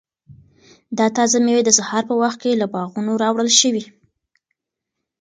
دا تازه مېوې د سهار په وخت کې له باغونو راوړل شوي.